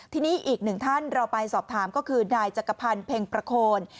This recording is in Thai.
ทีนี้อีกหนึ่งท่านเราไปสอบถามก็คือนายจักรพันธ์เพ็งประโคน